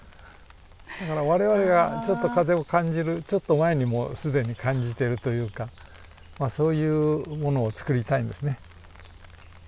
だから我々がちょっと風を感じるちょっと前にもう既に感じてるというかまあそういうものをつくりたいんですね。